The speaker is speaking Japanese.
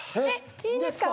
いいんですか？